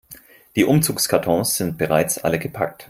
Die Umzugskartons sind bereits alle gepackt.